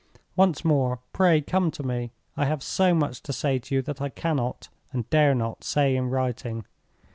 Once more, pray come to me; I have so much to say to you that I cannot, and dare not, say in writing.